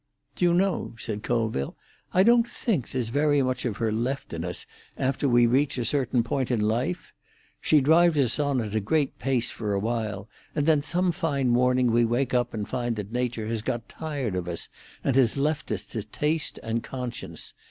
"Do you know," said Colville, "I don't think there's very much of her left in us after we reach a certain point in life? She drives us on at a great pace for a while, and then some fine morning we wake up and find that Nature has got tired of us and has left us to taste and conscience.